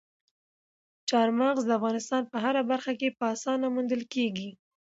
چار مغز د افغانستان په هره برخه کې په اسانۍ موندل کېږي.